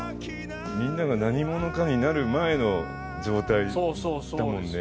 みんなが何者かになる前の状態だもんね。